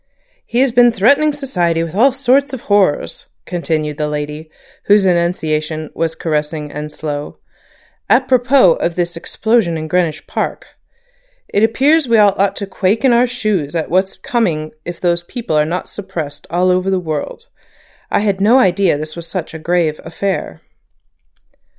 "He has been threatening society with all sorts of horrors," continued the lady, whose enunciation was caressing and slow, "apropos of this explosion in Greenwich Park. It appears we all ought to quake in our shoes at what's coming if those people are not suppressed all over the world. I had no idea this was such a grave affair."